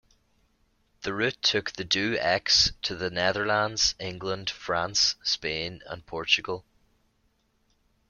The route took the Do X to the Netherlands, England, France, Spain, and Portugal.